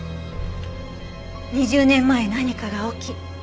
２０年前何かが起き